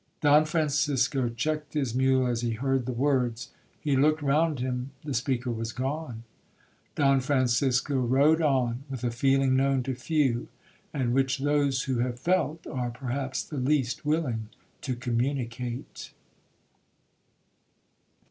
'Don Francisco checked his mule as he heard the words. He looked round him—the speaker was gone. Don Francisco rode on with a feeling known to few, and which those who have felt are perhaps the least willing to communicate.